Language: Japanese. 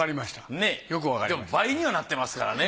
ねぇでも倍にはなってますからね。